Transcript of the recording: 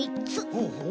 ほうほう。